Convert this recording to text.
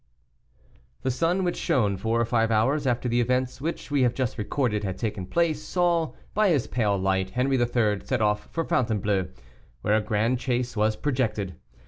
The sun, which shone four or five hours after the events which we have just recorded had taken place, saw, by his pale light, Henri III. set off for Fontainebleau, where a grand chase was projected.